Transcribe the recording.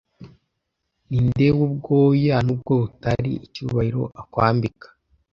ninde wubwoya nubwo butari icyubahiro akwambika